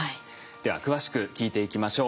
では詳しく聞いていきましょう。